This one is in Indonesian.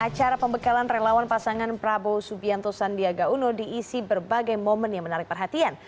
acara pembekalan relawan pasangan prabowo subianto sandiaga uno diisi berbagai momen yang menarik perhatian